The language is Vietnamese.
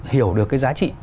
hiểu được cái giá trị